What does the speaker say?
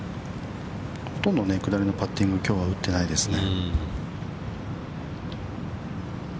◆ほとんど下りのパッティング、きょうは打ってないですね。